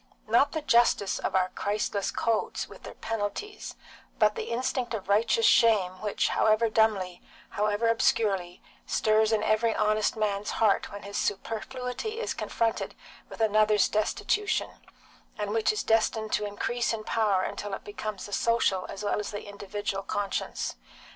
Not the justice of our Christless codes, with their penalties, but the instinct of righteous shame which, however dumbly, however obscurely, stirs in every honest man's heart when his superfluity is confronted with another's destitution, and which is destined to increase in power till it becomes the social as well as the individual conscience.